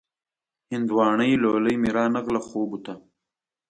هندواڼۍ لولۍ مې را نغله خوبو ته